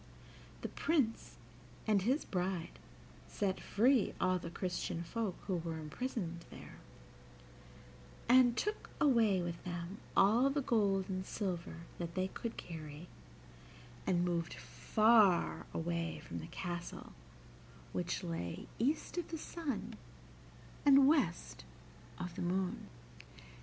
The Prince and his bride set free all the Christian folk who were imprisoned there, and took away with them all the gold and silver that they could carry, and moved far away from the castle which lay east of the sun and west of the moon.